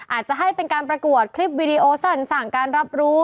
อาจจะให้เป็นการประกวดคลิปวิดีโอสั่นสั่งการรับรู้